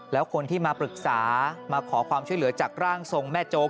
แล้วคนที่มาปรึกษามาขอความช่วยเหลือจากร่างทรงแม่โจ๊ก